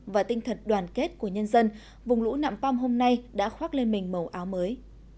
và tinh thật đoàn kết của nhân dân vùng lũ nạm păm hôm nay đã khoác lên mình màu áo mới